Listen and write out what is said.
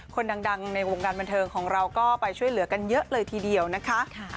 คนดังในวงการบันเทิงของเราก็ไปช่วยเหลือกันเยอะเลยทีเดียวนะคะ